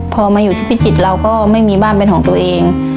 พอมาอยู่ที่พิจิตรเราก็ไม่มีบ้านเป็นของตัวเอง